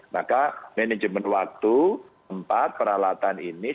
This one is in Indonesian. maka manajemen waktu empat peralatannya